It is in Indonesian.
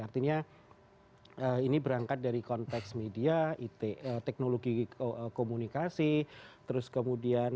artinya ini berangkat dari konteks media teknologi komunikasi terus kemudian